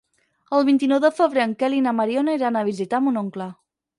El vint-i-nou de febrer en Quel i na Mariona iran a visitar mon oncle.